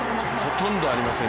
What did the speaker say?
ほとんどありません